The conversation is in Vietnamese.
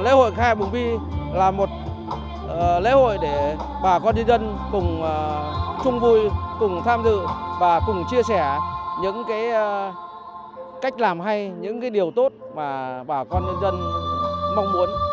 lễ hội khai mùng vi là một lễ hội để bà con nhân dân cùng chung vui cùng tham dự và cùng chia sẻ những cách làm hay những điều tốt mà bà con nhân dân mong muốn